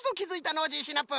ノージーシナプー。